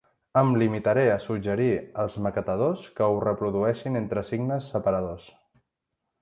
Em limitaré a suggerir els maquetadors que ho reprodueixin entre signes separadors.